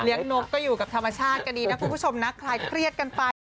นกก็อยู่กับธรรมชาติกันดีนะคุณผู้ชมนะคลายเครียดกันไป